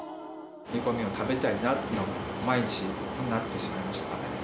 煮込みを食べたいなっていうことで、毎日になってしまいました。